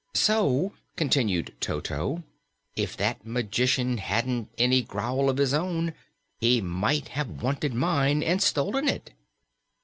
"So," continued Toto, "if that magician hadn't any growl of his own, he might have wanted mine and stolen it."